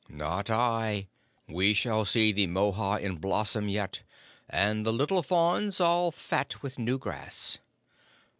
"Not I! We shall see the mohwa in blossom yet, and the little fawns all fat with new grass.